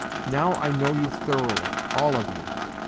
Now I know you thoroughly, all of you.